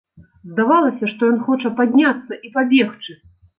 Здавалася, што ён хоча падняцца і пабегчы.